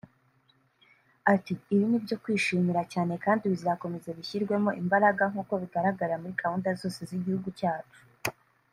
Ati “ Ibi nibyo kwishimira cyane kandi bizakomeza bishyirwemo imbaraga nkuko bigaragara muri gahunda zose z’Igihugu cyacu